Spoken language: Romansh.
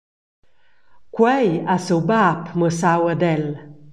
Quei ha siu bab mussau ad el.